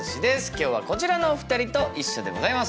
今日はこちらのお二人と一緒でございます。